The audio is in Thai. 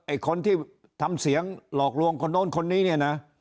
ไอ้คนที่ทำเสียงหลอกรวงคนน้นนี่นี่นะ